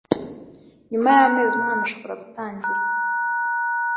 nyuma y'amezi umwana ashobora gutangira